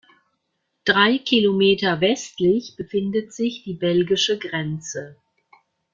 Drei Kilometer westlich befindet sich die belgische Grenze.